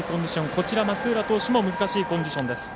こちら、松浦投手も難しいコンディション。